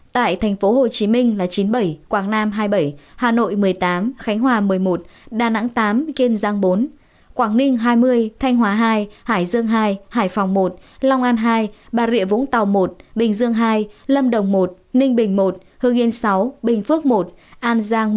tại tp hcm là chín mươi bảy quảng nam hai mươi bảy hà nội một mươi tám khánh hòa một mươi một đà nẵng tám kiên giang bốn quảng ninh hai mươi thanh hóa hai hải dương hai hải phòng một long an hai bà rịa vũng tàu một bình dương hai lâm đồng một ninh bình một hương yên sáu bình phước một an giang